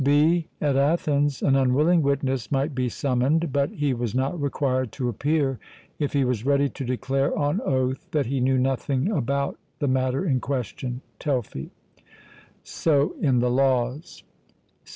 (b) At Athens an unwilling witness might be summoned; but he was not required to appear if he was ready to declare on oath that he knew nothing about the matter in question (Telfy). So in the Laws.